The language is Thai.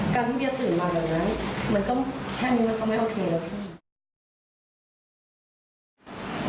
การที่เธอส์ตื่นมาแบบนั้นแค่แบบนี้มันผสมไม่โอเคแล้ว